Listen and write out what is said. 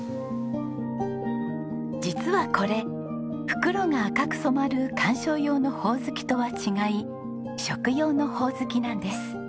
実はこれ袋が赤く染まる観賞用のホオズキとは違い食用のホオズキなんです。